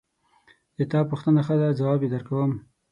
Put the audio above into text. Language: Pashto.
د تا پوښتنه ښه ده ځواب یې درکوم